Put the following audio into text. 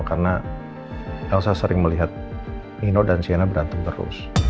karena elsa sering melihat nino dan sienna berantem terus